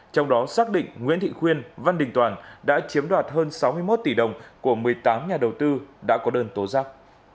trong đó xác định nguyễn thị khuyên văn đình toàn đã chiếm đoạt hơn sáu mươi một tỷ đồng của một mươi tám nhà đầu tư đã có đơn tố giác